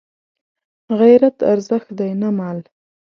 غیرت ارزښت دی نه مال